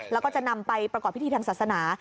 แล้วก็จะนำไปประกอบพิธีทางศาสนา